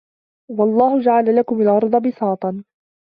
وَاللَّهُ جَعَلَ لَكُمُ الأَرضَ بِساطًا